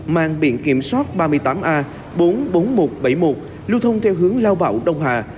mang biển kiểm soát ba mươi tám a bốn mươi bốn nghìn một trăm bảy mươi một lưu thông theo hướng lao bảo đông hà